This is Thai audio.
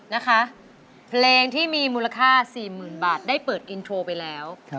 นะคะเพลงที่มีมูลค่า๔๐๐๐บาทได้เปิดอินโทรไปแล้ว